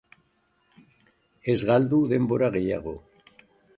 Ez galdu denbora gehiago.